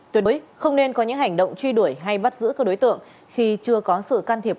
tuyệt đối không nên có những hành động truy đuổi hay bắt giữ các đối tượng khi chưa có sự can thiệp